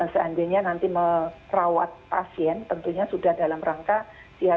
seandainya nanti merawat pasien tentunya sudah dalam rangka siaga